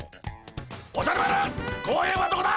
おじゃる丸公園はどこだ！